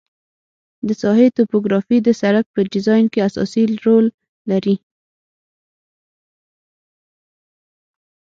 د ساحې توپوګرافي د سرک په ډیزاین کې اساسي رول لري